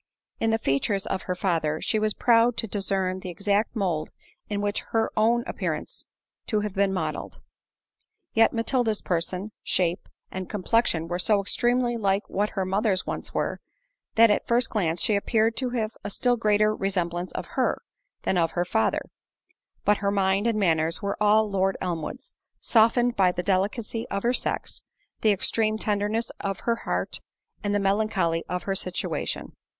In the features of her father she was proud to discern the exact mould in which her own appeared to have been modelled; yet Matilda's person, shape, and complexion were so extremely like what her mother's once were, that at the first glance she appeared to have a still greater resemblance of her, than of her father—but her mind and manners were all Lord Elmwood's; softened by the delicacy of her sex, the extreme tenderness of her heart, and the melancholy of her situation.